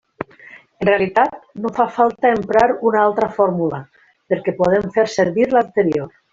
En realitat no fa falta emprar una altra fórmula, perquè podem fer servir l'anterior.